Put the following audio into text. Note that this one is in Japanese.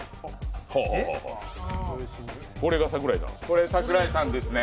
これが桜井さんですね？